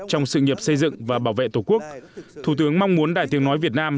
trong sự nghiệp xây dựng và bảo vệ tổ quốc thủ tướng mong muốn đại tiểu nói việt nam